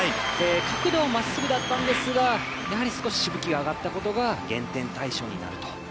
角度はまっすぐだったんですがやはり少ししぶきが上がったことが減点対象になると。